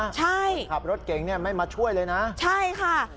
ใช่ขับรถเก่งเนี่ยไม่มาช่วยเลยนะใช่ค่ะ